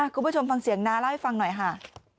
คุณผู้ชมฟังเสียงน้าเล่าให้ฟังหน่อยค่ะ